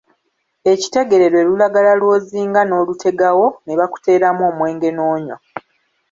Ekitegere lwe lulagala lw'ozinga n'olutegawo ne bakuteeramu omwenge n'onywa.